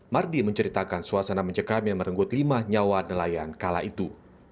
mardi menceritakan suasana mencekam yang merenggut lima nyawa nelayan kala itu